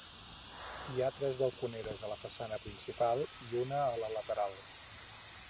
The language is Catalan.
Hi ha tres balconeres a la façana principal i una a la lateral.